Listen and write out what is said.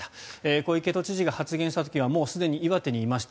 小池都知事が発言した時にはすでに岩手県にいました。